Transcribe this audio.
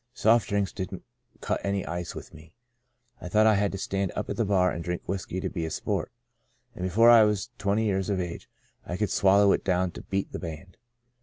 Soft drinks didn't cut any ice with me. I thought I had to stand up at the bar and drink whiskey to be a sport, and before I was twenty years of age I could swallow it down to beat the band.